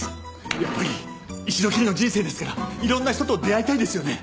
やっぱり一度きりの人生ですからいろんな人と出会いたいですよね。